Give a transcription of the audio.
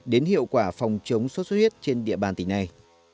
đến hiệu quả phòng chống sốt xuất huyết trên địa bàn tỉnh này